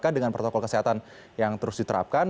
dengan protokol kesehatan yang terus diterapkan